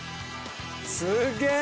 すげえ！